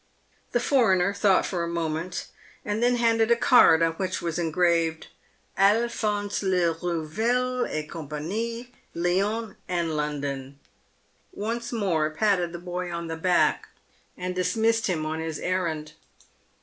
The foreigner thought for a moment, and then handed a card, on which was engraved, " Alphonse Lerou ville et C ie , Lyons and London," once more patted the boy on the back, and dismissed him on his errand.